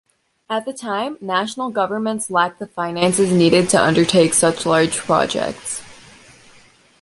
At the time, national governments lacked the finances needed to undertake such large projects.